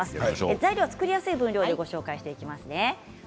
材料は作りやすい分量でご紹介しますね。